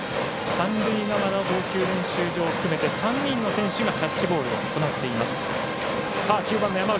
三塁側の投球連中場含めて３人の選手がキャッチボールを行っています。